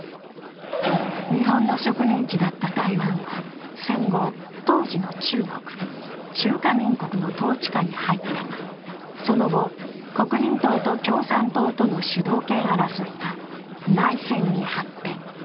日本の植民地だった台湾は戦後、当時の中国＝中華民国の統治下に入ったが、その後、国民党と共産党との主導権争いが内戦に発展。